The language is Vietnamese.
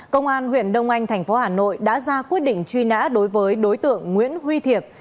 công an huyện đông anh thành phố hà nội đã ra quyết định truy nã đối với đối tượng nguyễn huy thiệp